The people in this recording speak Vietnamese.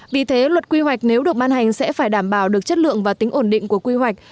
vì thế luật quy hoạch nếu được ban hành sẽ phải đảm bảo được chất lượng và tính ổn định của quy hoạch